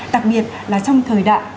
đặc biệt là trong thời đại